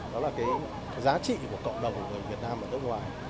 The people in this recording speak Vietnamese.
đó là cái giá trị của cộng đồng người việt nam ở nước ngoài